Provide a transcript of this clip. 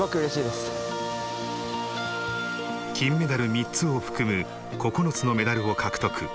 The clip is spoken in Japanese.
金メダル３つを含む９つのメダルを獲得。